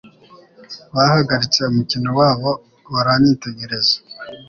Bahagaritse umukino wabo baranyitegereza.